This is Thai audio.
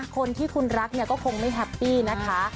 คนที่คุณรักเนี่ยก็คงไม่แฮปปี้นะคะ